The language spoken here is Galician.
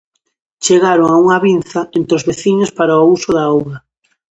Chegaron a unha avinza entre os veciños para o uso da auga.